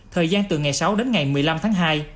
thời gian từ ngày sáu đến ngày một mươi năm tháng hai